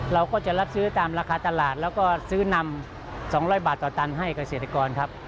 เราก็จะรับซื้อตามราคาตลาดแล้วก็ซื้อนำ๒๐๐บาทต่อตันให้เกษตรกรครับ